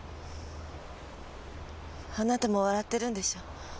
あなたも笑ってるんでしょ？